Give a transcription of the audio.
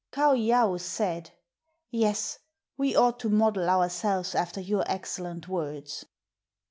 Kaou yaou said, "Yes; we ought to model ourselves after your excellent words."